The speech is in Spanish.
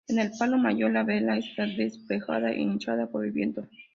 En el palo mayor la vela está desplegada e hinchada por el viento.